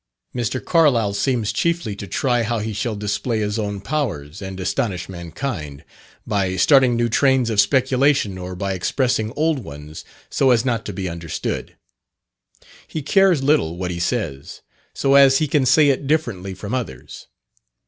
Mr. Carlyle seems chiefly to try how he shall display his own powers, and astonish mankind, by starting new trains of speculation or by expressing old ones so as not to be understood. He cares little what he says, so as he can say it differently from others.